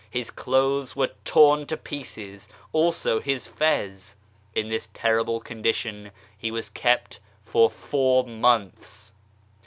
His clothes were torn to pieces, also his fez. In this terrible condition he was kept for four months.